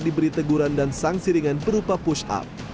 diberi teguran dan sangsiringan berupa push up